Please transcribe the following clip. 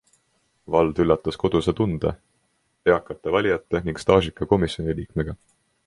Vald üllatas koduse tunde, eakate valijate ning staažika komisjoniliikmega.